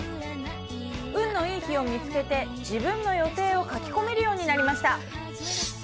運のいい日を見つけて自分の予定を書き込めるようになりました。